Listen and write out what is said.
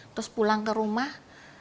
terus pulang ke rumah